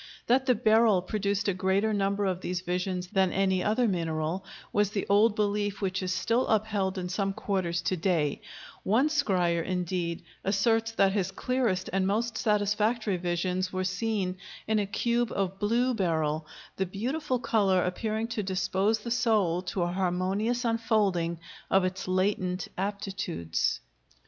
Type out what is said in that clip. That the beryl produced a greater number of these visions than any other mineral was the old belief which is still upheld in some quarters to day; one scryer, indeed, asserts that his clearest and most satisfactory visions were seen in a cube of blue beryl, the beautiful color appearing to dispose the soul to a harmonious unfolding of its latent aptitudes.